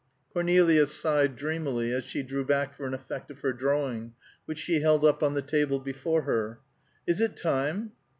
Cornelia sighed dreamily, as she drew back for an effect of her drawing, which she held up on the table before her, "Is it time?"